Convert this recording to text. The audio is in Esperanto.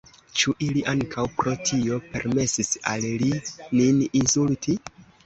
Ĉu ili ankaŭ pro tio permesis al li nin insulti?